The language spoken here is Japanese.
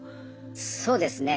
そうですね。